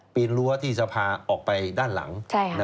รั้วที่สภาออกไปด้านหลัง